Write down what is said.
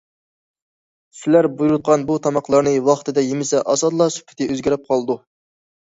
سىلەر بۇيرۇتقان بۇ تاماقلارنى ۋاقتىدا يېمىسە ئاسانلا سۈپىتى ئۆزگىرىپ قالىدۇ.